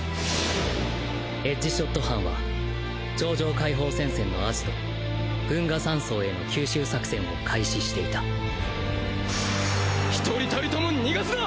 エッジショット班は超常解放戦線のアジト群訝山荘への急襲作戦を開始していた１人たりとも逃がすな！